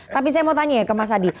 tapi saya mau tanya ya ke mas adi